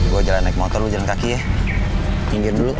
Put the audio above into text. bu aku pergi